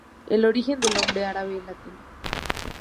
El origen del nombre árabe es latino.